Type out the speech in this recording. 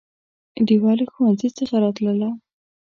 ډېوه له ښوونځي څخه راتلله